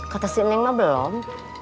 kata si neng mah belum